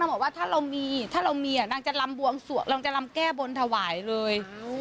บอกว่าถ้าเรามีถ้าเรามีนางจะลำบวงสวงเราจะลำแก้บนถวายเลย